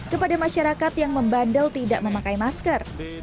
kepada masyarakat yang membandel tidak memakai masker